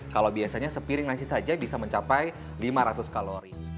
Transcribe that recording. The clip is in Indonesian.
kalau biasanya sepiring nasi saja bisa mencapai lima ratus kalori